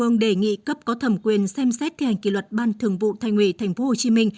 ubnd đề nghị cấp có thẩm quyền xem xét thi hành kỳ luật ban thường vụ thành ủy tp hcm